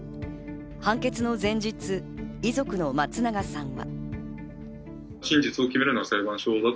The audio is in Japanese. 判決の前日、遺族の松永さんは。